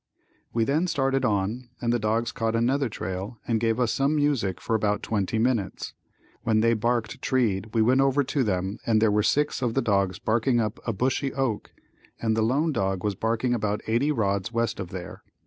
We then started on and the dogs caught another trail and gave us some music for about twenty minutes. When they barked treed we went over to them and there were six of the dogs barking up a bushy oak and the lone dog was barking about eighty rods west of there.